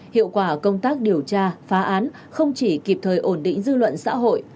hiệu quả công tác điều tra phá án không chỉ kịp thời ổn định dư luận xã hội